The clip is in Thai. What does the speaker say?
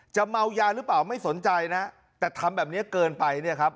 เมายาหรือเปล่าไม่สนใจนะแต่ทำแบบนี้เกินไปเนี่ยครับ